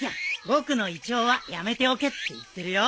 僕の胃腸はやめておけって言ってるよ。